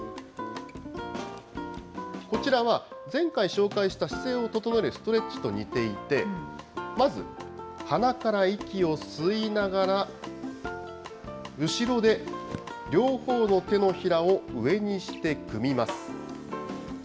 こちらは前回紹介した、姿勢を整えるストレッチと似ていて、まず鼻から息を吸いながら、後ろで両方の手のひらを上にして組みます。